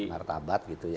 martabat gitu ya